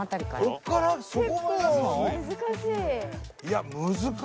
難しい。